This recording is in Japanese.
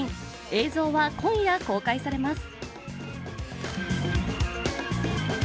映像は今夜公開されます。